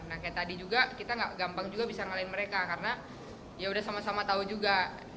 nah kayak tadi juga kita gak gampang juga bisa ngalahin mereka karena ya udah sama sama tahu juga